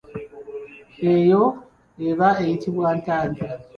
Eyo eba eyitibwa entaggya.